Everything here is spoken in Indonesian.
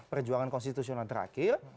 perjuangan konstitusional terakhir